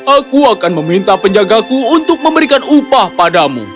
aku akan meminta penjagaku untuk memberikan upah padamu